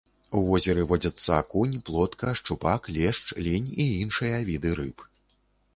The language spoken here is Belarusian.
У возеры водзяцца акунь, плотка, шчупак, лешч, лінь і іншыя віды рыб.